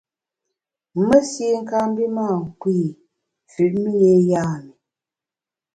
Mesi kâ mbi mâ nkpù i, mfüt mi yé yam’i.